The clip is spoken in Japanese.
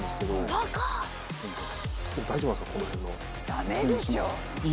ダメでしょう！